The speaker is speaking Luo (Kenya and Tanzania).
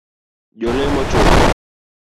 Jo lemo chopo